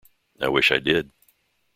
I wish I did.